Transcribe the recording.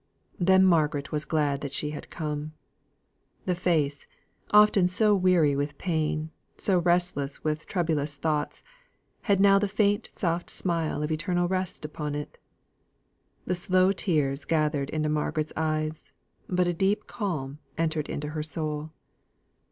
Then Margaret was glad that she had come. The face, so often weary with pain, so restless with troublous thoughts, had now the faint soft smile of eternal rest upon it. The slow tears gathered into Margaret's eyes, but a deep calm entered into her soul.